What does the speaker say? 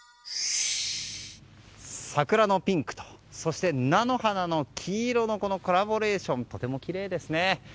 桜のピンクと、そして菜の花の黄色のコラボレーションとてもきれいですね。